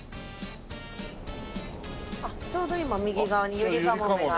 あっちょうど今右側にゆりかもめが。